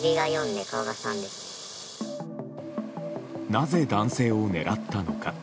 なぜ男性を狙ったのか。